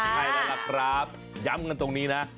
ใช่แล้วล่ะครับย้ำกันตรงนี้นะ